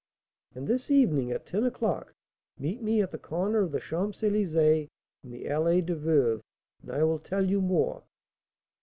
"And this evening, at ten o'clock, meet me at the corner of the Champs Elysées and the Allée des Veuves, and I will tell you more."